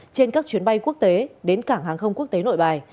trên các chuyến bay quốc tế đến cảng hàng không quốc tế nội bài